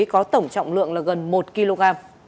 có tổng trọng lượng là gần một kg